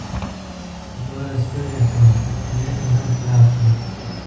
نوره ستړې شوم، نیټ مې هم خلاص شو.